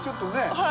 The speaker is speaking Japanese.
はい。